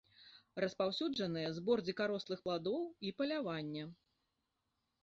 Распаўсюджаныя збор дзікарослых пладоў і паляванне.